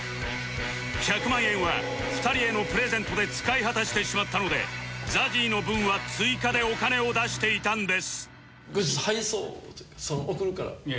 １００万円は２人へのプレゼントで使い果たしてしまったので ＺＡＺＹ の分は追加でお金を出していたんです